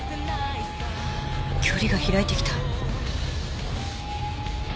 距離が開いてきた。